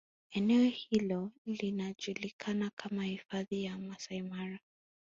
Eneeo hilo linajulikana kama Hifadhi ya Masaimara